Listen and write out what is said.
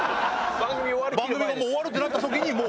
番組が終わるってなった時にもう。